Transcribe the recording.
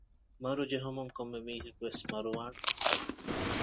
މަރު ޖެހުމުން ކޮންމެ މީހަކުވެސް މަރުވާނެ